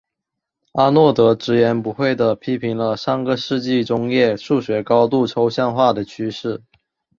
阿诺德直言不讳地批评了上个世纪中叶数学高度抽象化的趋势。